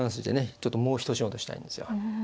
ちょっともう一仕事したいんですよ。